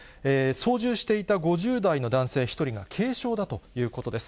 操縦していた５０代の男性１人が軽傷だということです。